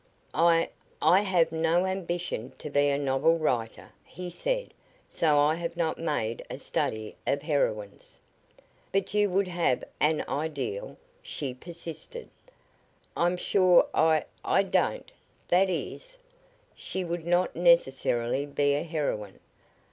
"I I have no ambition to be a novel writer," he said, "so I have not made a study of heroines." "But you would have an ideal," she persisted. "I'm sure I I don't that is, she would not necessarily be a heroine.